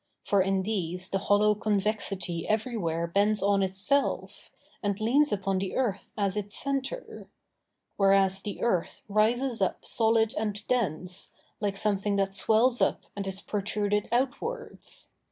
For in these the hollow convexity everywhere bends on itself, and leans upon the earth as its centre. Whereas the earth rises up solid and dense, like something that swells up and is protruded outwards.